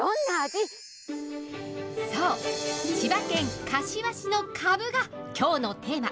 そう、千葉県柏市のかぶが、きょうのテーマ。